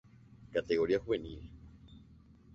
Categoría Juvenil.